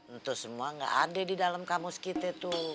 ento semua gak ada di dalam kamus kita tuh